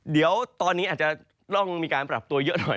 เดี๋ยวตอนนี้อาจจะต้องมีการปรับตัวเยอะหน่อย